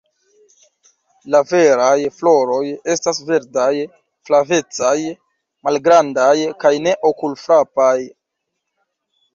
La veraj floroj estas verdaj-flavecaj, malgrandaj kaj ne okulfrapaj.